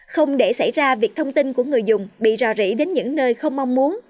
không để xảy ra việc thông tin của người dùng bị rò rỉ đến những nơi không mong muốn